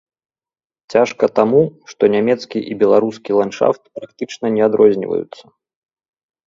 Цяжка таму, што нямецкі і беларускі ландшафт практычна не адрозніваюцца.